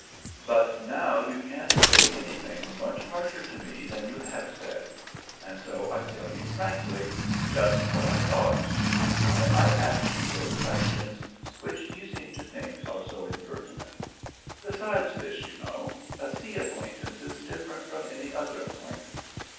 But now you can't say anything much harsher to me than you have said, and so I tell you frankly just what I thought, and why I asked you those questions which you seem to think are so impertinent. Besides this, you know, a sea acquaintance is different from any other acquaintance.